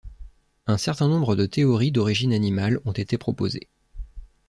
Un certain nombre de théories d'origine animale ont été proposées.